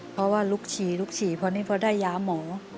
เพราะว่าลุกฉีลุกฉีเพราะนี่เพราะได้ยาหมอ